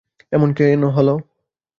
এমন কেন হল।